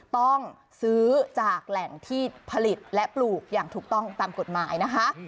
ต้องซื้อจากแหล่งที่ผลิตและปลูกอย่างถูกต้องตามกฎหมายนะคะ